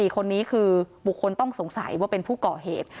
๔คนนี้คือบุคคลต้องสงสัยว่าเป็นผู้ก่อเหตุ